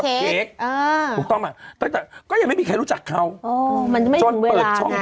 อ่าถูกต้องอะแต่ก็ยังไม่มีใครรู้จักเขาอ๋อมันไม่ถึงเวลาไง